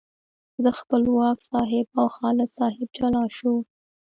زه، خپلواک صاحب او خالد صاحب جلا شوو.